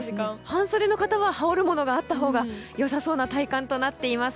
半袖の方は羽織るものがあったほうが良さそうな体感となっております。